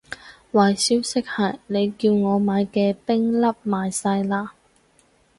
壞消息係，你叫我買嘅冰粒賣晒喇